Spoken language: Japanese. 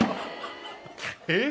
えっ！？